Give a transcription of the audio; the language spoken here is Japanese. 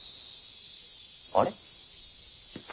あれ？